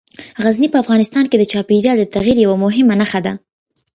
غزني په افغانستان کې د چاپېریال د تغیر یوه مهمه نښه ده.